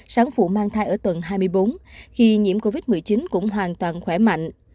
sáng phụ mang thai ở tuần hai mươi bốn khi nhiễm covid một mươi chín cũng hoàn toàn khỏe mạnh